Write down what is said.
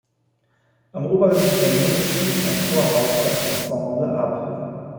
Am oberen Ende schließt ein Torhaus das Ensemble ab.